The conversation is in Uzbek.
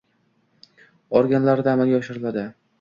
organlarida amalga oshiriladi